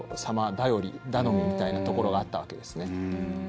頼みみたいなところがあったわけですね。